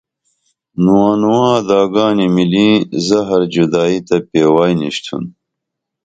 نواں نواں اداگانی مِلیں زہر جُدائی تہ پیوائی نِشتُھن